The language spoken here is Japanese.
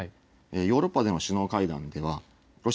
ヨーロッパでの首脳会談では、ロ